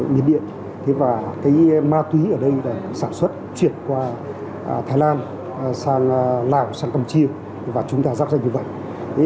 miền điện thế và cái ma túy ở đây là sản xuất chuyển qua thái lan sang lào sang campuchia và chúng ta dắp danh như vậy